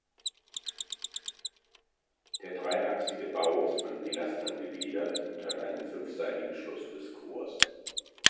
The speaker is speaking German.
Der dreiachsige Bau ist von Pilastern gegliedert und hat einen fünfseitigen Schluss des Chors.